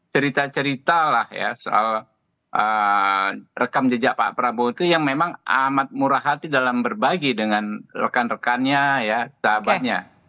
cerita cerita lah ya soal rekam jejak pak prabowo itu yang memang amat murah hati dalam berbagi dengan rekan rekannya ya sahabatnya